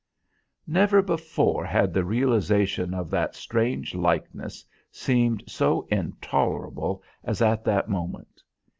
Never before had the realisation of that strange likeness seemed so intolerable as at that moment.